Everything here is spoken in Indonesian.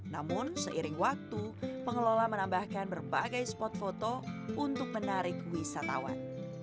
namun seiring waktu pengelola menambahkan berbagai spot foto untuk menarik wisatawan